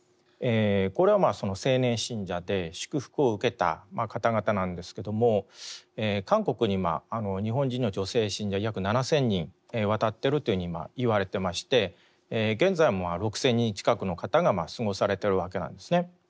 これは青年信者で祝福を受けた方々なんですけども韓国に日本人の女性信者約７，０００人渡っていると今言われていまして現在も６，０００人近くの方が過ごされているわけなんですね。